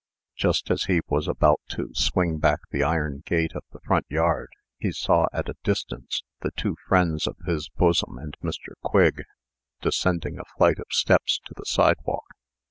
Just as he was about to swing back the iron gate of the front yard, he saw, at a distance, the two friends of his bosom and Mr. Quigg descending a flight of steps to the sidewalk.